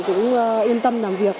cũng yên tâm làm việc